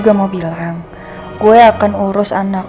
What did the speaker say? kamu tolong bantu ya